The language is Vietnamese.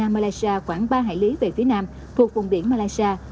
malaysia khoảng ba hải lý về phía nam thuộc vùng biển malaysia